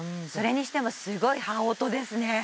それにしてもすごい羽音ですね